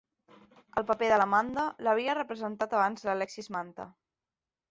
El paper de l'Amanda l'havia representat abans Alexis Manta.